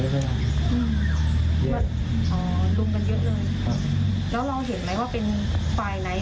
แล้วเราเห็นมั้ยว่าเป็นฝ่ายไหน